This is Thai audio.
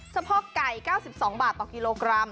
พ่อไก่๙๒บาทต่อกิโลกรัม